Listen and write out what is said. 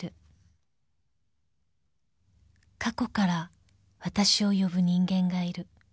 ［過去からわたしを呼ぶ人間がいる］